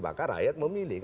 maka rakyat memilih